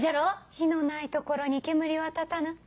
「火のない所に煙は立たぬ」。